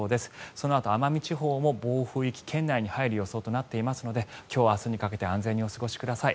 そのあと奄美地方も暴風域圏内に入る予想となっていますので今日、明日にかけて安全にお過ごしください。